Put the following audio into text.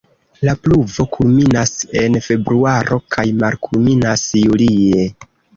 La pluvo kulminas en februaro kaj malkulminas julie.